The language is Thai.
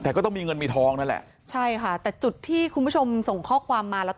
แต่ก็ต้องมีเงินมีทองนั่นแหละใช่ค่ะแต่จุดที่คุณผู้ชมส่งข้อความมาแล้ว